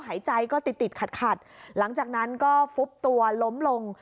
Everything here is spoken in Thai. หายใจก็ติดติดขัดขัดหลังจากนั้นก็ฟุบตัวล้มลง